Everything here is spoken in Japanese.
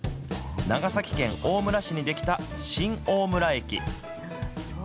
長崎県大村市に出来た新大村駅。